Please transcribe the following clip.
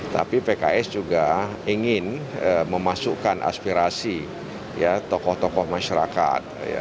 tapi pks juga ingin memasukkan aspirasi tokoh tokoh masyarakat